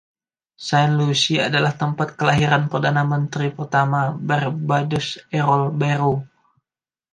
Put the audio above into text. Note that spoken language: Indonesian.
Saint Lucy adalah tempat kelahiran Perdana Menteri pertama Barbados, Errol Barrow.